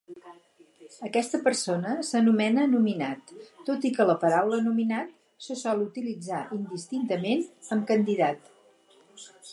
Aquesta persona s'anomena "nominat", tot i que la paraula "nominat" se sol utilitzar indistintament amb "candidat".